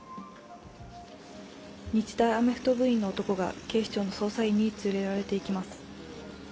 日大アメフト部員の男が警視庁の捜査員に連れられていきます。